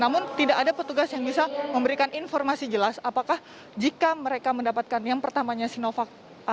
namun tidak ada petugas yang bisa memberikan informasi jelas apakah jika mereka mendapatkan yang pertamanya sinovac